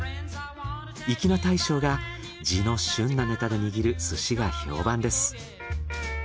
粋な大将が地の旬なネタで握る寿司が評判です。